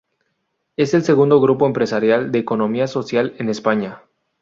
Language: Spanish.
Es el segundo grupo empresarial de economía social en España.